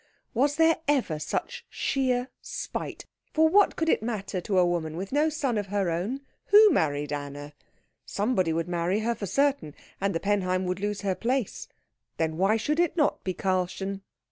Was there ever such sheer spite? For what could it matter to a woman with no son of her own, who married Anna? Somebody would marry her, for certain, and the Penheim would lose her place; then why should it not be Karlchen?